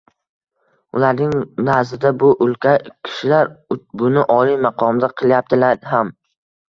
ularning nazdida, bu «ulkan kishilar» buni oliy maqomda qilyaptilar ham.